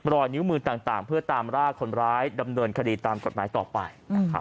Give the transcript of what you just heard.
รอยนิ้วมือต่างเพื่อตามรากคนร้ายดำเนินคดีตามกฎหมายต่อไปนะครับ